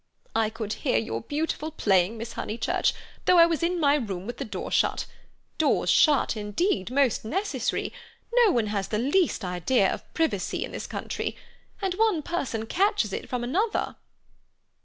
"I could hear your beautiful playing, Miss Honeychurch, though I was in my room with the door shut. Doors shut; indeed, most necessary. No one has the least idea of privacy in this country. And one person catches it from another."